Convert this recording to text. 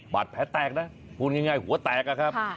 บาดแผลแตกนะพูดง่ายหัวแตกอะครับ